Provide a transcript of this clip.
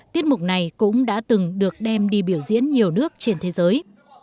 tiết mục này cũng đã từng được đem đi biểu diễn nhiều nước trên thế giới